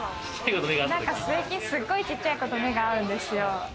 なんかすごいちっちゃい子と目が合うんですよ。